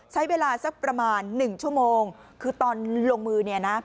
ใช้เวลาสักประมาณหนึ่งชั่วโมงคือตอนลงมือเนี่ยนะ